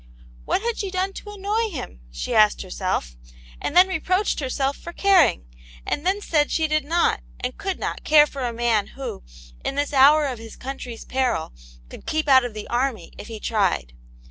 "What had she done to annoy him }" she asked herself, and then reproached herself for caring, and then said she did not and could not care for a man who, in this hour of his country's peril, could keep out of the army if he tried.